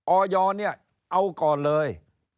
ออยเนี่ยเอาก่อนเลย